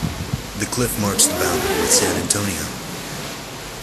This cliff marks the boundary with San Antonio.